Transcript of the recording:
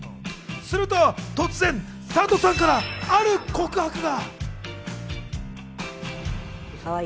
すると突然、サトさんからある告白が。